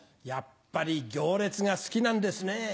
やっぱり行列が好きなんですね。